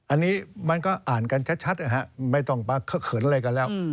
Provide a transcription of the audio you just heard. อันนี้มันก็อ่านกันชัดไม่ต้องเขินอะไรกันแล้ว